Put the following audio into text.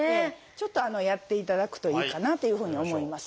ちょっとやっていただくといいかなというふうに思います。